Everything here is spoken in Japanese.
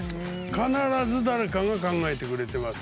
必ず誰かが考えてくれてます。